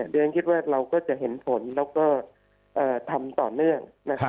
เรียนคิดว่าเราก็จะเห็นผลแล้วก็ทำต่อเนื่อง